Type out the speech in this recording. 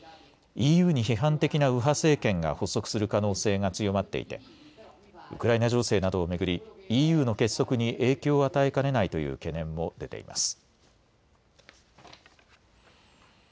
ＥＵに批判的な右派政権が発足する可能性が強まっていてウクライナ情勢などを巡りＥＵの結束に影響を与えかねないという懸念も出ています。